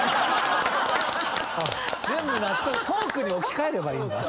トークに置き換えればいいんだ。